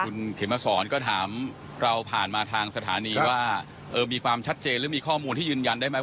คุณเขมสอนก็ถามเราผ่านมาทางสถานีว่ามีความชัดเจนหรือมีข้อมูลที่ยืนยันได้ไหม